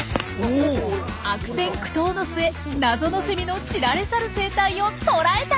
悪戦苦闘の末謎のセミの知られざる生態を捉えた！